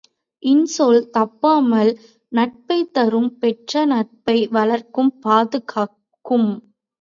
இன்சொல் தப்பாமல் நட்பைத் தரும் பெற்ற நட்பை வளர்க்கும் பாதுகாக்கும்.